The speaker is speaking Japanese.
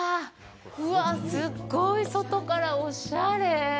うわ、すっごい外からおしゃれ。